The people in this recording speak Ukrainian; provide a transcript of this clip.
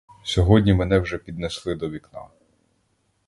Сьогодні мене вже піднесли до вікна.